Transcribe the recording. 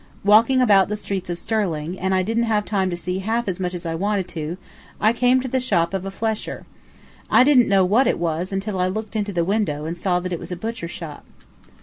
Walking about the streets of Stirling, and I didn't have time to see half as much as I wanted to, I came to the shop of a "flesher." I didn't know what it was until I looked into the window and saw that it was a butcher shop.